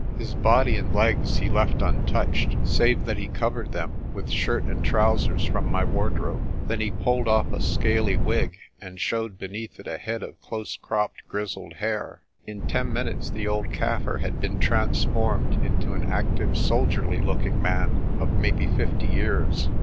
His body and legs he left un touched, save that he covered them with shirt and trousers from my wardrobe. Then he pulled off a scaly wig, and showed beneath it a head of close cropped grizzled hair. In ten minutes the old Kaffir had been transformed into an active soldierly looking man of maybe fifty years.